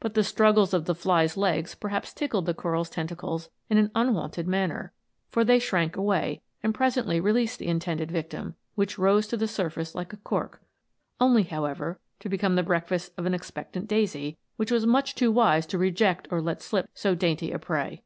But the struggles of the fly's legs perhaps tickled the coral's tentacles in an unwonted man ner, for they shrank away, and presently released ANIMATED FLOWERS. 137 the intended victim, which rose to the surface like a cork ; only, however, to become the breakfast of an expectant daisy, which was much too wise to reject or let slip so dainty a prey.